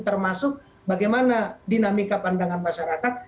termasuk bagaimana dinamika pandangan masyarakat